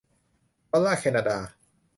ดอลลาร์แคนาดา